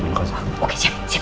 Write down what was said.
oke siap siap siap